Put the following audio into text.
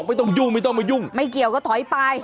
ไม่ต้องยุ่งไม่เกี่ยวก็ถอยไป